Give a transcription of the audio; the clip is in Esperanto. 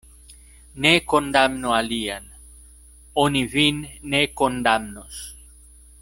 Ne kondamnu alian, oni vin ne kondamnos.